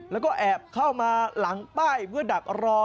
แล้วก็แอบเข้ามาหลังป้ายเพื่อดักรอ